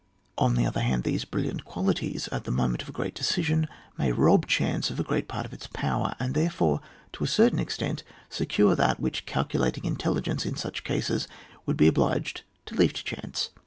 On the other hand, these bril liant qualities, at the moment of a great decision, may rob chance of a great part of its power, and therefore, to a certain extent, secure that which calculating in telligence in such cases would be obliged to leave to chance.